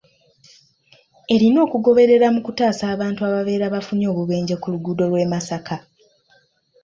Erina okugoberera mu kutaasa abantu ababeera bafunye obubenje ku luguudo lw'e Masaka